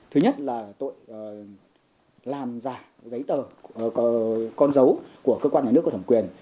thứ nhất là tội làm giả giấy tờ con dấu của cơ quan nhà nước có thẩm quyền